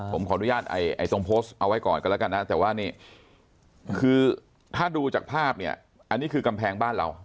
ผมขออนุญาตตรงโพสต์เอาไว้ก่อนกันแล้วกันนะแต่ว่านี่คือถ้าดูจากภาพเนี่ยอันนี้คือกำแพงบ้านเรา